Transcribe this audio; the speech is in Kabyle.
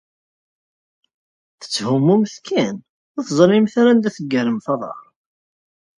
Tetthumumt kan, ur teẓrimt anda i teggaremt aḍar.